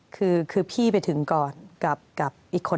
คือพี่ไปถึงก่อนกับอีกคน